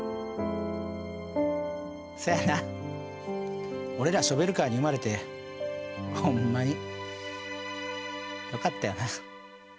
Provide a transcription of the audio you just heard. そやな俺らショベルカーに生まれてホンマによかったよな。